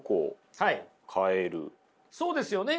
そうですよね。